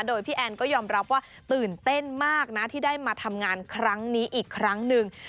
โดยพี่แอนก็ยอมรับว่าตื่นเต้นมากนะที่ได้มาทำงานครั้งนี้อีกครั้งหนึ่ง